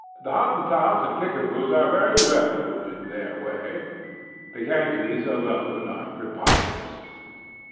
The Hottentots and Kickapoos are very well in their way. The Yankees alone are preposterous.